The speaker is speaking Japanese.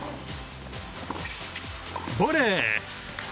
ボレー。